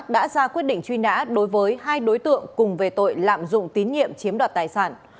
đã ra quyết định truy nã đối với hai đối tượng cùng về tội lạm dụng tín nhiệm chiếm đoạt tài sản